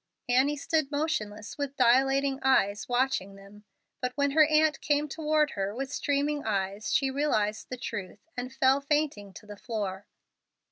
Annie stood motionless with dilating eyes watching them. But when her aunt came toward her with streaming eyes she realized the truth and fell fainting to the floor.